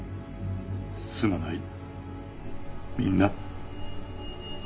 すまないみんな。